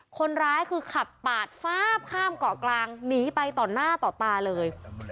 คนร้ายคือขับปาดฟ้าบข้ามเกาะกลางหนีไปต่อหน้าต่อตาเลย